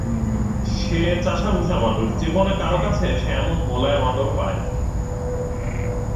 সে চাষাভুষা মানুষ, জীবনে কারো কাছে সে এমন মোলায়েম আদর পায় নাই।